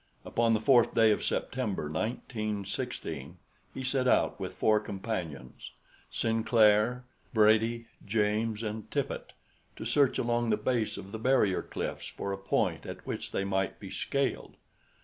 Upon the fourth day of September, 1916, he set out with four companions, Sinclair, Brady, James, and Tippet, to search along the base of the barrier cliffs for a point at which they might be scaled.